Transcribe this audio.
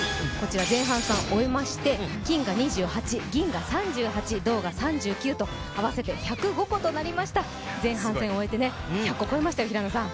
前半戦終えまして、金が２８、銀が３８、銅が３９と、合わせて１０５個となりました、前半戦を終えて１００個超えましたよ。